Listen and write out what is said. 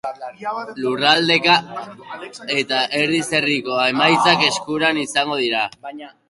Lurraldeka eta herriz herriko emaitzak eskueran izango dira.